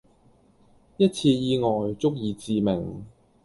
一次意外、足以致命